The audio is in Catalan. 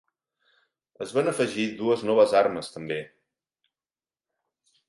Es van afegir dues noves armes també.